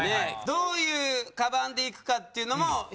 どういうカバンで行くかっていうのも一つね。